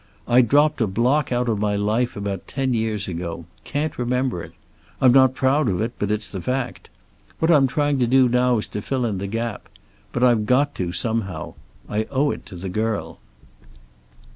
I dropped a block out of my life about ten years ago. Can't remember it. I'm not proud of it, but it's the fact. What I'm trying to do now is to fill in the gap. But I've got to, somehow. I owe it to the girl."